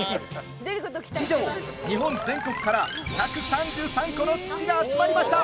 以上、日本全国から１３３個の土が集まりました。